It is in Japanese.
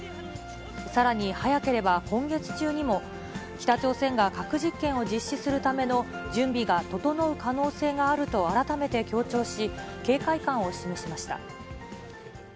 さらに早ければ今月中にも、北朝鮮が核実験を実施するための準備が整う可能性があると改めて強調し、警戒感を示しました。